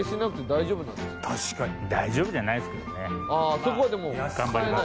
ああそこはでも？頑張ります。